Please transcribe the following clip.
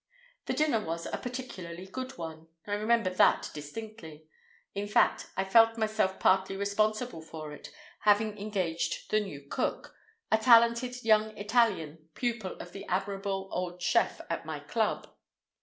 The dinner was a particularly good one, I remember that distinctly. In fact, I felt myself partly responsible for it, having engaged the new cook—a talented young Italian, pupil of the admirable old chef at my club.